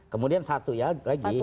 kemudian satu lagi